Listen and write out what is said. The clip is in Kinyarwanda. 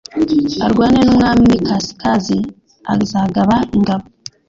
arwane n umwami w ikasikazi Azagaba ingabo